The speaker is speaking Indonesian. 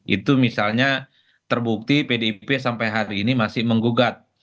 itu misalnya terbukti pdip sampai hari ini masih menggugat